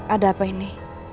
ada apa ini